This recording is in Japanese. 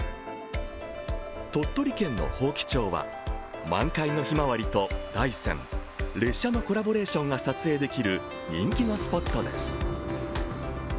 鳥取県の伯耆町は満開のひまわりと大山、列車のコラボレーションが撮影できる人気のスポットです。